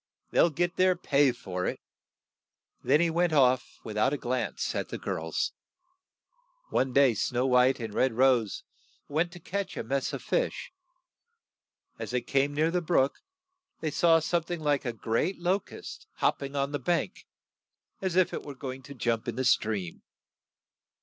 They will get their pay for it. ' SNOW WHITE AND 11 KD ROSK 33 ^ Then he went off with out a glance at the girls. One day Snow White and Red Rose went to catch a mess of fish. As they came near the brook, they saw some thing like a great lo cust hop ping on the bank as if it were go ing to jump in the stream.